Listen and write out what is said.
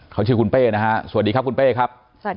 เขาชื่อคุณเป้นะฮะสวัสดีครับคุณเป้ครับสวัสดี